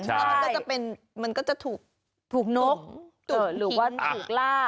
แล้วมันก็จะเป็นมันก็จะถูกนกจุดหรือว่าถูกล่า